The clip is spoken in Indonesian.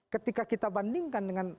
ketika kita bandingkan dengan